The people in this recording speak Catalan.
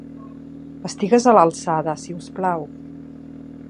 Estigues a l'alçada, si us plau.